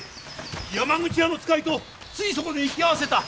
山口屋の使いとついそこで行き合わせた。